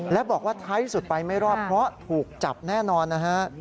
และบอกว่าท้ายสุดไปไม่รอดเพราะถูกจับแน่นอนนะฮะ